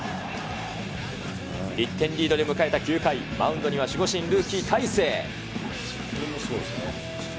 １点リードで迎えた９回、マウンドには守護神、ルーキー、大勢。